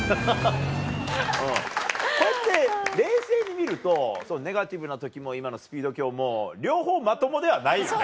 こうやって冷静に見るとネガティブな時も今のスピード狂も両方まともではないよね。